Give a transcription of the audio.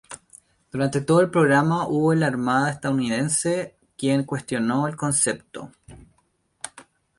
Durante todo el programa, hubo en la Armada estadounidense quien cuestionó todo el concepto.